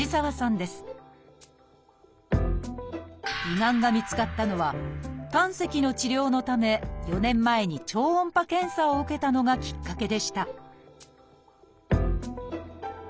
胃がんが見つかったのは胆石の治療のため４年前に超音波検査を受けたのがきっかけでした